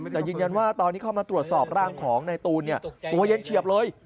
แต่ยืนยันว่าตอนที่เข้ามาตรวจสอบร่างของในตูนตัวเย็นเฉียบเลย